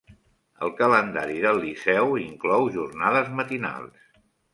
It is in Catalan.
El calendari del Liceu inclou jornades matinals.